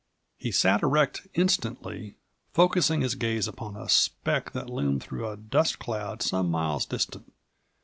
He sat erect instantly, focusing his gaze upon a speck that loomed through a dust cloud some miles distant.